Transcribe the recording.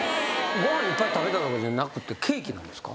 ご飯いっぱい食べたとかじゃなくてケーキなんですか？